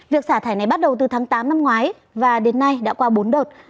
việc xả thải này bắt đầu từ tháng tám năm ngoái và đến nay đã qua bốn đợt